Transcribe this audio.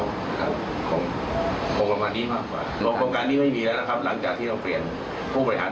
โรคโครงการนี้ไม่มีแล้วนะครับหลังจากที่เราเปลี่ยนผู้บริหาร